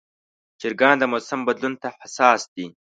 چرګان د موسم بدلون ته حساس دي.